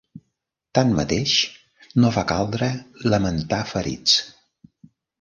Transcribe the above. Tanmateix, no va caldre lamentar ferits.